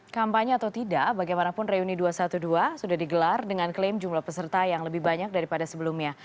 kampanye atau tidak bagaimanapun reuni dua ratus dua belas sudah digelar dengan klaim jumlah peserta yang lebih banyak daripada sebelumnya